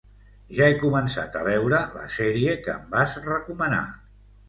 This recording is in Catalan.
Ja he começat a veure la sèrie que em vas recomanar.